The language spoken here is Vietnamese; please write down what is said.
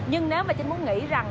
nhưng nếu mà trinh muốn nghĩ rằng